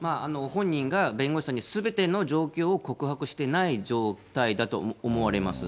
本人が弁護士さんにすべての状況を告白してない状態だと思われます。